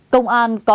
công an có